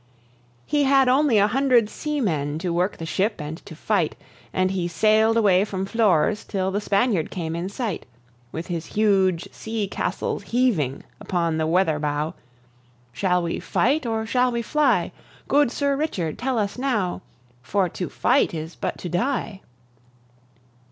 He had only a hundred seamen to work the ship and to fight, And he sail'd away from Flores till the Spaniard came in sight, With his huge sea castles heaving upon the weather bow. "Shall we fight or shall we fly? Good Sir Richard, tell us now, For to fight is but to die!